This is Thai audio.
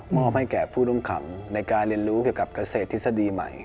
อบให้แก่ผู้ต้องขังในการเรียนรู้เกี่ยวกับเกษตรทฤษฎีใหม่